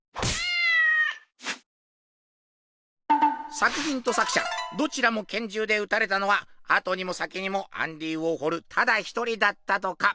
作品と作者どちらも拳銃で撃たれたのはあとにも先にもアンディ・ウォーホールただ一人だったとか。